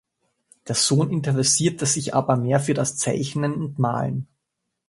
Der Sohn interessierte sich aber mehr für das Zeichnen und Malen.